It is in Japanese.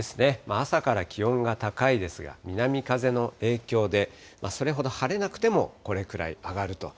朝から気温が高いですが、南風の影響でそれほど晴れなくても、これくらい上がると。